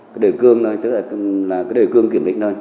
cái đề cương đó là cái đề cương kiểm định thôi